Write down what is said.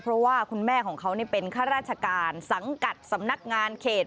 เพราะว่าคุณแม่ของเขาเป็นข้าราชการสังกัดสำนักงานเขต